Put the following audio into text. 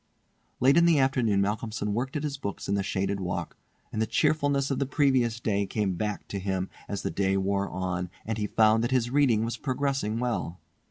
Late in the afternoon Malcolmson worked at his books in the shaded walk, and the cheerfulness of the previous day came back to him as the day wore on, and he found that his reading was progressing well.